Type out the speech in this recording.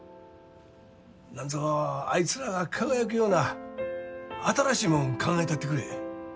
なんぞあいつらが輝くような新しいもん考えたってくれ。